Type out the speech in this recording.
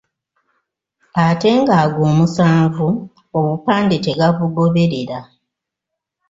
Ate nga ago omusanvu obupande tegabugoberera.